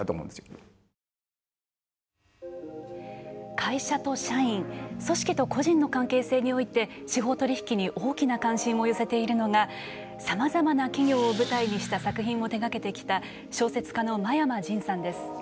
会社と社員組織と個人の関係性において司法取引に大きな関心を寄せているのがさまざまな企業を舞台にした作品を手がけてきた小説家の真山仁さんです。